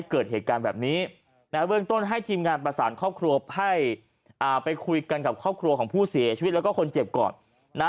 กับครอบครัวของผู้เสียชีวิตแล้วก็คนเจ็บก่อน